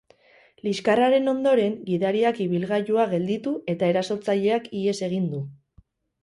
Liskarraren ondoren, gidariak ibilgailua gelditu, eta erasotzaileak ihes egin du.